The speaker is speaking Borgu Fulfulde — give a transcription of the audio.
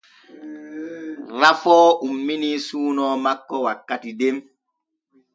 Rafoo ummini suuno makko wakkati den.